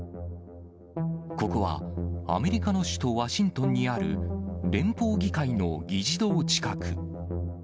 ここはアメリカの首都ワシントンにある、連邦議会の議事堂近く。